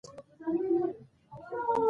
زده کړه ښځه د مالي فشار په وړاندې مقاومت لري.